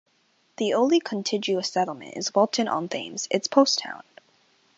The only contiguous settlement is Walton-on-Thames, its post town.